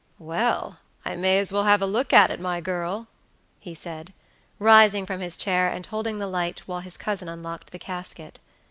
"Well, I may as well have a look at it, my girl," he said, rising from his chair and holding the light while his cousin unlocked the casket.